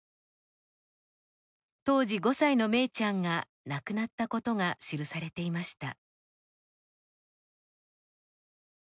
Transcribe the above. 当時５歳のめいちゃんが亡くなったことが記されていました。